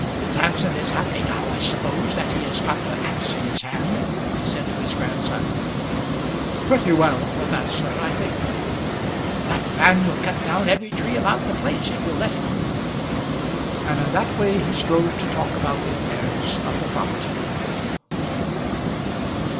"Samson is happy now, I suppose, that he has got the axe in his hand," he said to his grandson. "Pretty well for that, sir, I think." "That man will cut down every tree about the place, if you'll let him." And in that way he strove to talk about the affairs of the property.